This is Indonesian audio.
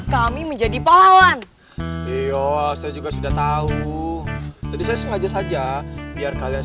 kami menjadi pahlawan iya saya juga sudah tahu jadi saya sengaja saja biar kalian